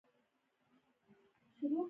هر قوم پکې څه حق لري؟